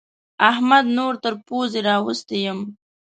احمد نور تر پوزې راوستی يم.